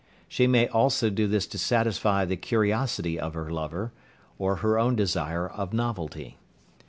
She may also do this to satisfy the curiosity of her lover, or her own desire of novelty.